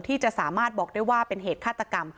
ที่จะสามารถบอกได้ว่าเป็นเหตุฆาตกรรม